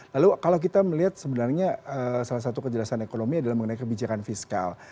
lalu kalau kita melihat sebenarnya salah satu kejelasan ekonomi adalah mengenai kebijakan fiskal